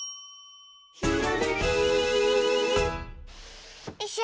「ひらめき」よいしょ。